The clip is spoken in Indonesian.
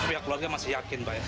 tapi pihak keluarga masih yakin pak